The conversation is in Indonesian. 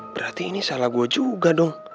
berarti ini salah gue juga dong